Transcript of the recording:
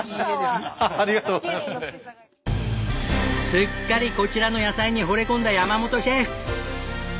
すっかりこちらの野菜に惚れ込んだ山本シェフ。